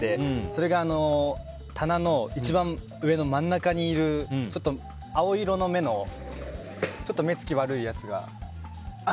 それが棚の一番上の真ん中にいる青色の目の目つきが悪いやつが。